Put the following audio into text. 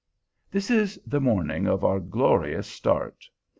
This is the morning of our glorious start.